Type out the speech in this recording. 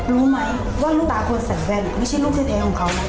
รู้ไหมว่ารูป่าคนใส่แว่นไม่ใช่ลูกที่แท้ของเขา